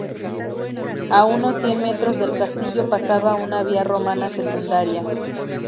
A unos cien metros del castillo pasaba una vía romana secundaria.